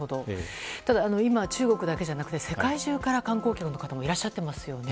今、中国だけでなく世界中から観光客がいらっしゃってますよね。